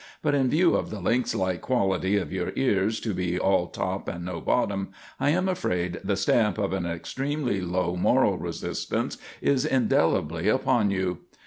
"But in view of the lynx like quality of your ears to be all top and no bottom, I am afraid the stamp of an extremely low moral resistance is indelibly upon you."